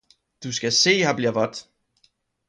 Du skal see her bliver vaadt!